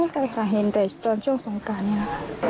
ใช่ค่ะเห็นแต่ตอนช่วงสงการนี้ค่ะ